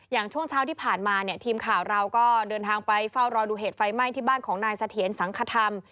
ช่วงเช้าที่ผ่านมาเนี่ยทีมข่าวเราก็เดินทางไปเฝ้ารอดูเหตุไฟไหม้ที่บ้านของนายเสถียรสังคธรรม